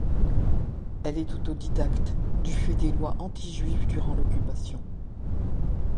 Elle est autodidacte du fait des lois anti-juives durant l’Occupation.